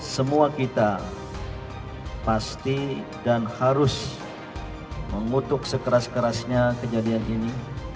semua kita pasti dan harus mengutuk sekeras kerasnya kejadian ini